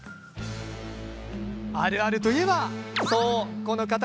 あるあるといえば、この方。